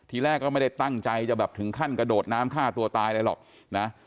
ทีแรกก็ไม่ได้ตั้งใจจะแบบถึงขั้นกระโดดน้ำฆ่าตัวตายอะไรหรอกนะ